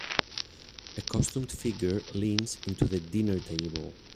A costumed figure leans into the dinner table.